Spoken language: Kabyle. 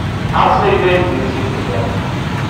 Ɛass ayen ay d-yezzin fell-am.